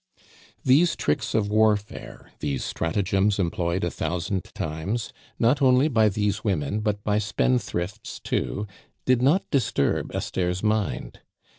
These tricks of warfare, these stratagems employed a thousand times, not only by these women, but by spendthrifts too, did not disturb Esther's mind.